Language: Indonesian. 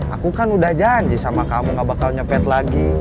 aku kan udah janji sama kamu gak bakal nyepet lagi